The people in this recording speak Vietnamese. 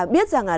biết rằng là